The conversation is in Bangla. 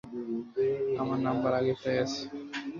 আমার নাম্বার আগেরটাই আছে।